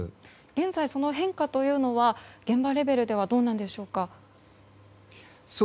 現在、その変化は現場レベルではどうなんでしょうか。